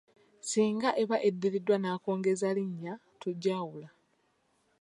Singa eba eddiriddwa nnakongezalinnya tugyawula.